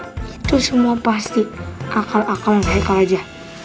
itu semua pasti akal akal hai kal aja